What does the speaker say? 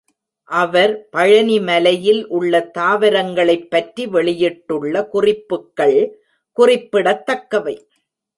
அவர் பழனிமலையில் உள்ள தாவரங்களைப் பற்றி வெளியிட்டுள்ள குறிப்புக்கள் குறிப்பிடத் தக்கவை.